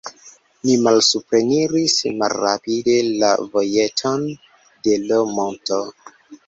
Ni malsupreniris malrapide la vojetojn de l' monto.